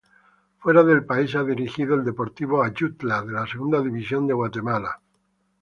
Fuera del país ha dirigido al Deportivo Ayutla de la Segunda División de Guatemala.